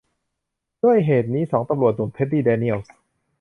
ด้วยเหตุนี้สองตำรวจหนุ่ม เท็ดดี้ แดเนียลส์